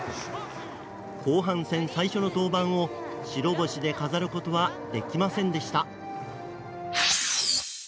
後半戦最初の登板を白星で飾ることはできませんでした。